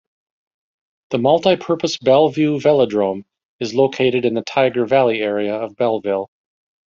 The multi-purpose Bellville Velodrome is located in the Tyger Valley area of Bellville.